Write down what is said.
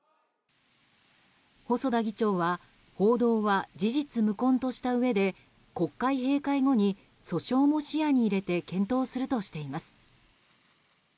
細田議長は報道は事実無根としたうえで国会閉会後に訴訟も視野に入れて検討するとしています。